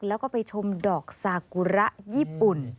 แล้วก็ไปชมดอกซากุระญี่ปุ่น